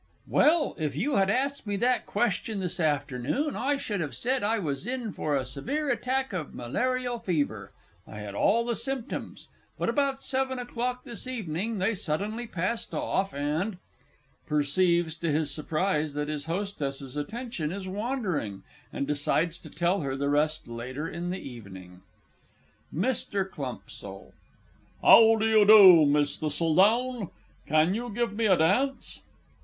Well, if you had asked me that question this afternoon, I should have said I was in for a severe attack of malarial fever I had all the symptoms but, about seven o'clock this evening, they suddenly passed off, and [_Perceives, to his surprise, that his Hostess's attention is wandering, and decides to tell her the rest later in the evening._ MR. CLUMPSOLE. How do you do, Miss Thistledown? Can you give me a dance?